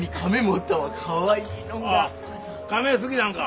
カメ好きなんか？